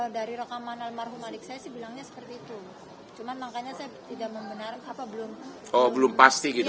dari rekaman almarhum adik saya sih bilangnya seperti itu cuman makanya saya belum pasti gitu